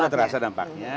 sudah terasa dampaknya